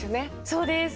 そうです。